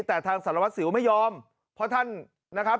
แต่ทางสารวัสสิวไม่ยอมเพราะท่านนะครับ